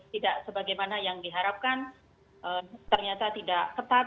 tidak sebagaimana yang diharapkan ternyata tidak ketat